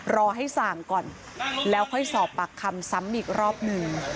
รอให้สั่งก่อนแล้วค่อยสอบปากคำซ้ำอีกรอบหนึ่ง